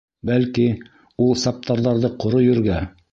Бәлки, ул саптарҙарҙы ҡоро ергә...